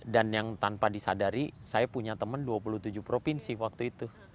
dan yang tanpa disadari saya punya teman dua puluh tujuh provinsi waktu itu